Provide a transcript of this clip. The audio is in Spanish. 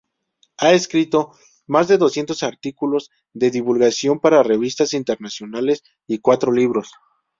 Ha escrito más de doscientos artículos de divulgación para revistas internacionales y cuatro libros.